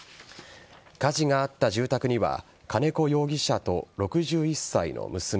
火事があった住宅には金子容疑者と６１歳の娘